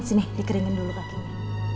sini dikeringin dulu kakinya